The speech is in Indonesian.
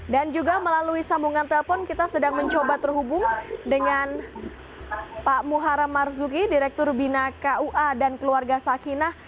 dan juga melalui sambungan telepon kita sedang mencoba terhubung dengan pak muharam marzuki direktur bina kua dan keluarga sakinah